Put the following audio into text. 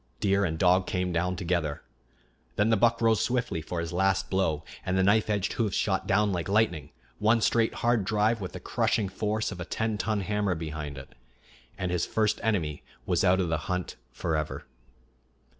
Deer and dog came down together. Then the buck rose swiftly for his last blow, and the knife edged hoofs shot down like lightning; one straight, hard drive with the crushing force of a ten ton hammer behind it and his first enemy was out of the hunt forever.